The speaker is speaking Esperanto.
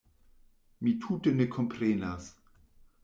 Mi tute ne komprenas.